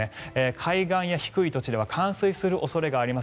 海岸や低い土地では冠水する恐れがあります。